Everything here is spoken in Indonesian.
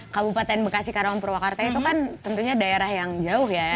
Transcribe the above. kabupaten bekasi karawang purwakarta itu kan tentunya daerah yang jauh ya